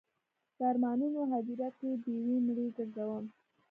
د ارمانونو هدیره کې ډیوې مړې ګرځوم